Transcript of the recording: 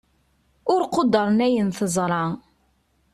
ur quddren ayen teẓṛa